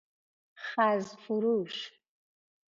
خز فروش